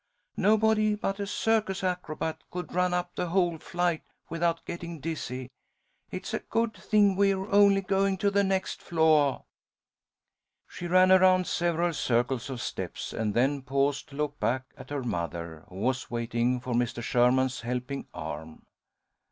Nobody but a circus acrobat could run up the whole flight without getting dizzy. It's a good thing we are only goin' to the next floah." She ran around several circles of steps, and then paused to look back at her mother, who was waiting for Mr. Sherman's helping arm.